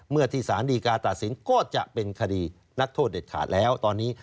เมื่อที่สารดีกาตัดสินก็จะเป็นคดีนักโทษเด็ดขาดแล้วตอนนี้